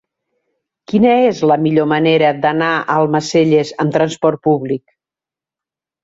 Quina és la millor manera d'anar a Almacelles amb trasport públic?